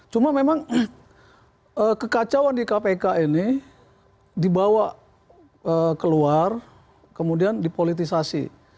cuma memang kekacauan di kpk ini dibawa keluar kemudian dipolitisasi